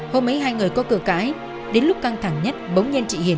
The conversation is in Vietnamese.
hôm ấy hai người có cửa cãi đến lúc căng thẳng nhất bỗng nhân chị hiền